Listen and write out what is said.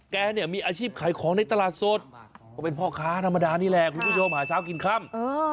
แกเนี่ยมีอาชีพขายของในตลาดสดก็เป็นพ่อค้าธรรมดานี่แหละคุณผู้ชมหาเช้ากินค่ำ